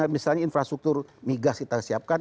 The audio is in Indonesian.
misalnya infrastruktur migas kita siapkan